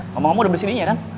ngomong ngomong udah bersininya kan